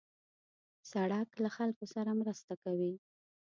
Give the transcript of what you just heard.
سړک له خلکو سره مرسته کوي.